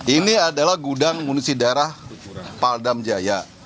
ini adalah gudang munisi daerah paldam jaya